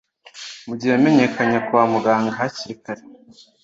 mu gihe yamenyekanye kwa muganga hakiri kare